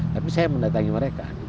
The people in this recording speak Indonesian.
tapi saya mendatangi mereka